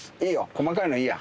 細かいのいいや。